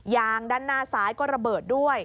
ด้านหน้าซ้ายก็ระเบิดด้วย